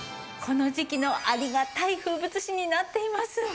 この時期のありがたい風物詩になっています。